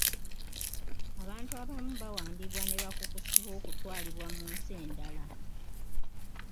Abantu abamu bawambibwa ne bakukusibwa okutwalibwa mu nsi endala.